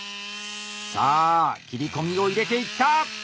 さあ切り込みを入れていった！